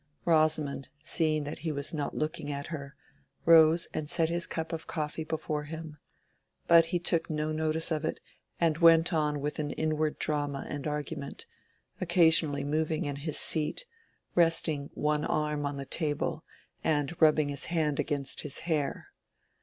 Rosamond, seeing that he was not looking at her, rose and set his cup of coffee before him; but he took no notice of it, and went on with an inward drama and argument, occasionally moving in his seat, resting one arm on the table, and rubbing his hand against his hair.